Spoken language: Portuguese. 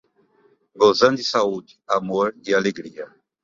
Gozando de saúde, amor e alegria